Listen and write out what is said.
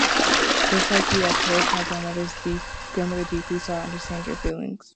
Just like you, I cherish my grandmother deeply, so I understand your feelings.